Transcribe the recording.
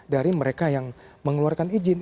dari mereka yang mengeluarkan izin